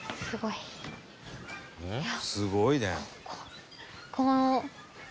「すごいね」